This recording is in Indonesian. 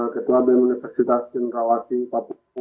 ketua bem universitas cenrawati papua